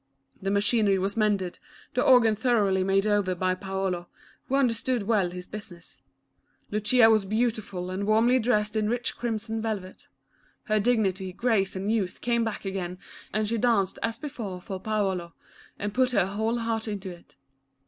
The machinery was mended, the organ thoroughly made over by Paolo, who understood well his business. Lucia was beautifullv and Lucia, the Organ Maiden, 87 warmly dressed in rich crimson velvet. Her dig nity, grace, and youth came back again, and she danced as before for Paolo, and put her whole heart into it.